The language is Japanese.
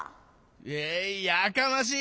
えいやかましい！